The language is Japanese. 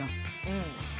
うん。